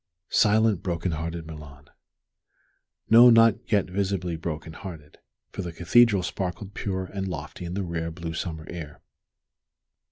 Silent, broken hearted Milan! No, not yet visibly broken hearted, for the Cathedral sparkled pure and lofty in the rare, blue summer air.